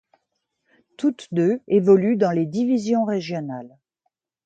Toutes deux évoluent dans les divisions régionales.